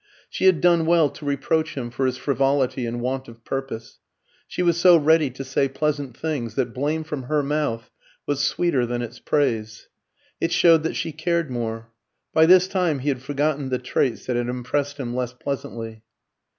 She had done well to reproach him for his frivolity and want of purpose. She was so ready to say pleasant things, that blame from her mouth was sweeter than its praise. It showed that she cared more. By this time he had forgotten the traits that had impressed him less pleasantly.